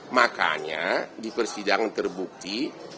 makanya di persidangan terbukti